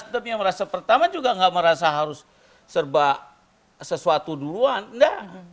hatta nasdemnya merasa pertama juga nggak merasa harus serba sesuatu duluan nggak